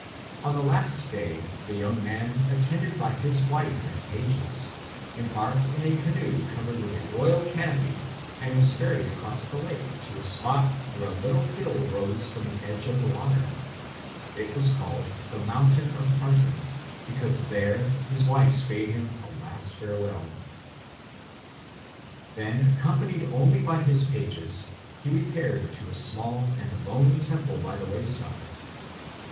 On the last day the young man, attended by his wives and pages, embarked in a canoe covered with a royal canopy and was ferried across the lake to a spot where a little hill rose from the edge of the water. It was called the Mountain of Parting, because there his wives bade him a last farewell. Then, accompanied only by his pages, he repaired to a small and lonely temple by the wayside.